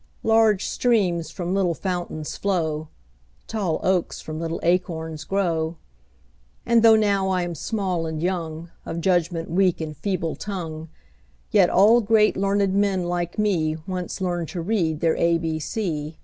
Large streams from little fountains flow, Tall oaks from little acorns grow; And though now I am small and young, Of judgment weak and feeble tongue, Yet all great, learned men, like me Once learned to read their ABC.